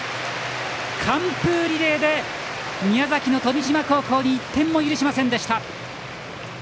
完封リレーで宮崎の富島高校に１点も許しませんでした。